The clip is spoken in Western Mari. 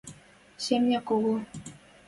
...Семня кого.